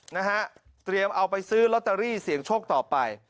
นะฮะเตรียมเอาไปซื้อลอตเตอรี่เสี่ยงโชคต่อไป